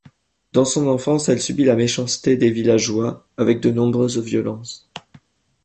Dans son enfance, elle subit la méchanceté des villageois, avec de nombreuses violences.